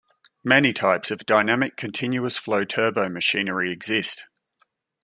Many types of dynamic continuous flow turbomachinery exist.